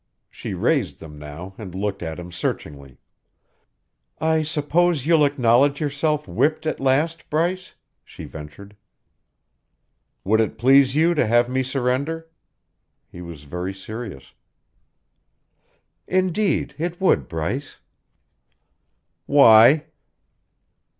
She raised them now and looked at him searchingly. "I suppose you'll acknowledge yourself whipped at last, Bryce?" she ventured. "Would it please you to have me surrender?" He was very serious. "Indeed it would, Bryce." "Why?"